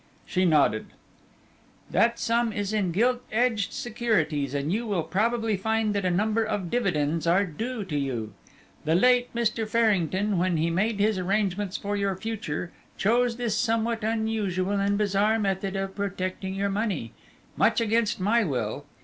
She nodded. "That sum is in gilt edged securities, and you will probably find that a number of dividends are due to you. The late Mr. Farrington, when he made his arrangements for your future, chose this somewhat unusual and bizarre method of protecting your money, much against my will.